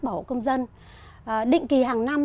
bảo hộ công dân định kỳ hàng năm